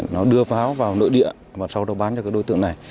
nó đưa pháo vào nội địa và sau đó bán cho các đối tượng này